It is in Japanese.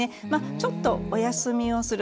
ちょっと、お休みをする。